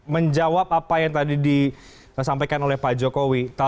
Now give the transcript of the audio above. menjawab apa yang tadi disampaikan oleh pak jokowi